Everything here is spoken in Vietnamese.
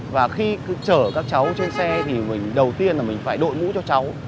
và khi cứ chở các cháu trên xe thì mình đầu tiên là mình phải đội mũ cho cháu